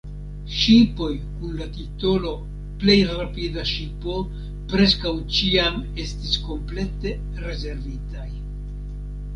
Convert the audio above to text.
Ŝipoj kun la titolo "plej rapida ŝipo" preskaŭ ĉiam estis komplete rezervitaj.